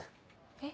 えっ？